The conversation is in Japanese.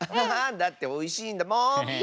だっておいしいんだもん！